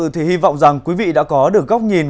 thì hy vọng rằng quý vị đã có được góc nhìn